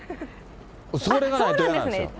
それがないとだめなんですよ。